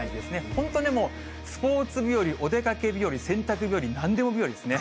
本当でも、スポーツ日和、お出かけ日和、洗濯日和、なんでも日和ですね。